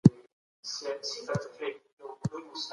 لویه جرګه کله د پاچا د ټاکلو لپاره جوړه سوه؟